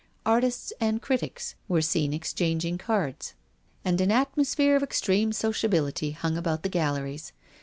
Artists and critics were seen exchanging cards, and an atmos phere of extreme sociability hung about the galleries.